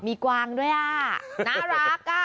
มีกวางด้วยอ่ะน่ารักอ่ะ